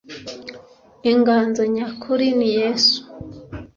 Inganzo nyakuri ni Yesu